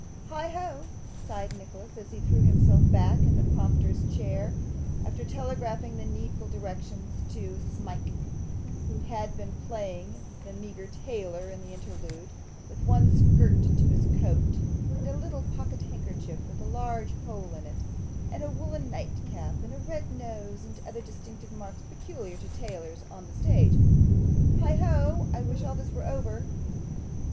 'Heigho!' sighed Nicholas, as he threw himself back in the prompter's chair, after telegraphing the needful directions to Smike, who had been playing a meagre tailor in the interlude, with one skirt to his coat, and a little pocket handkerchief with a large hole in it, and a woollen nightcap, and a red nose, and other distinctive marks peculiar to tailors on the stage. 'Heigho! I wish all this were over.